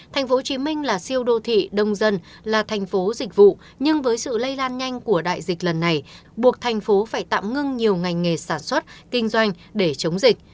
tp hcm là siêu đô thị đông dân là thành phố dịch vụ nhưng với sự lây lan nhanh của đại dịch lần này buộc thành phố phải tạm ngưng nhiều ngành nghề sản xuất kinh doanh để chống dịch